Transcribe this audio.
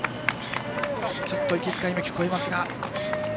ちょっと息遣いも聞こえます。